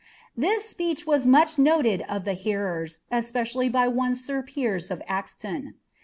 " This speech was much noted of ttn, especially by one sir Piers ' of Exton.